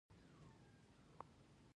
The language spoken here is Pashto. د کجکي بند څومره بریښنا تولیدوي؟